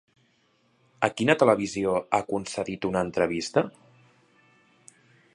A quina televisió ha concedit una entrevista?